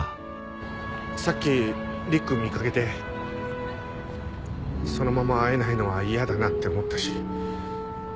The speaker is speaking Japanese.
さっきりっくん見かけてそのまま会えないのは嫌だなって思ったし。